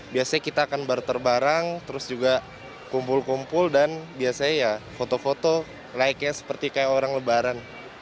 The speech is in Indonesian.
biasanya kita akan berterbarang terus juga kumpul kumpul dan biasanya ya foto foto like nya seperti kayak orang lebaran